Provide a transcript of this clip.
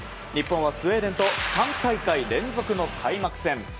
日本はスウェーデンと３大会連続の開幕戦。